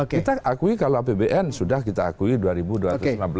kita akui kalau apbn sudah kita akui dua dua ratus enam belas triliun